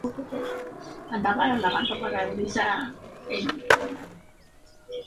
Durante ese período se alineó con el diputado Arturo Frondizi.